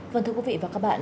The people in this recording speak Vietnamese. vâng thưa quý vị và các bạn